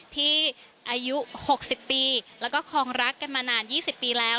ที่อายุ๖๐ปีแล้วก็คองรักกันมานาน๒๐ปีแล้ว